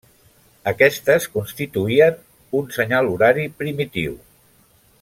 Aquestes constituïen un senyal horari primitiu.